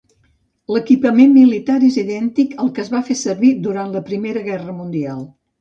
L'equipament militar és idèntic al que es va fer servir durant la Primera Guerra Mundial.